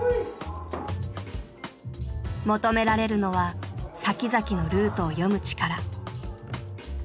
求められるのは先々のルートを読む力。